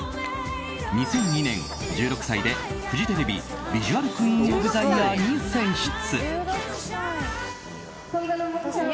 ２００２年、１６歳でフジテレビビジュアルクイーンオブザイヤーに選出。